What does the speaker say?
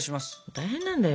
大変なんだよ